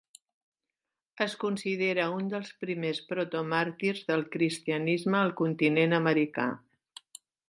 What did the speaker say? Es considera un dels primers protomàrtirs del cristianisme al continent americà.